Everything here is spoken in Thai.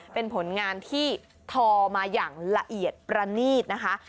เป็นผลงานที่ทอมาอย่างละเอียดประณีตนะคะ